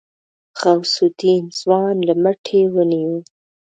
غوث الدين ځوان له مټه ونيو.